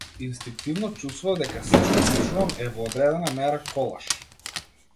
Инстинктивно чувствував дека сѐ што пишувам е во одредена мера колаж.